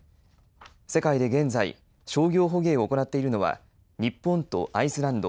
世界で現在商業捕鯨を行っているのは日本とアイスランド